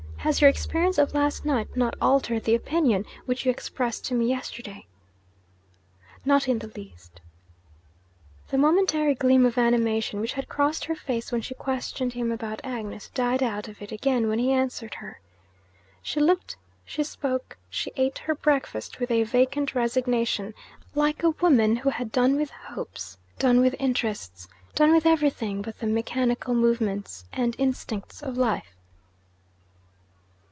Has your experience of last night not altered the opinion which you expressed to me yesterday?' 'Not in the least.' The momentary gleam of animation which had crossed her face when she questioned him about Agnes, died out of it again when he answered her. She looked, she spoke, she ate her breakfast, with a vacant resignation, like a woman who had done with hopes, done with interests, done with everything but the mechanical movements and instincts of life.